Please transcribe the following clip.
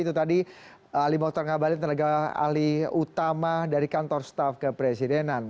itu tadi ali mokhtar ngabali tenaga ahli utama dari kantor staff kepresidenan